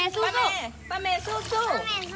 บอกอาเมสู้สู้